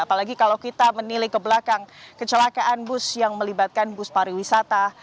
apalagi kalau kita menilik ke belakang kecelakaan bus yang melibatkan bus pariwisata